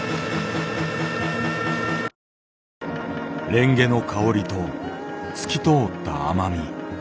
レンゲの香りと透き通った甘み。